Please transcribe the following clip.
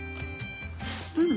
うん。